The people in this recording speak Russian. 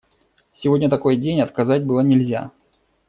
Сегодня такой день – отказать было нельзя.